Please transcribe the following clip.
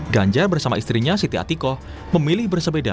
ganjar bersama istrinya siti atikoh memilih bersebeda